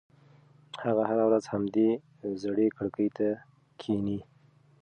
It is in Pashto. هغه هره ورځ همدې زړې کړکۍ ته کښېني.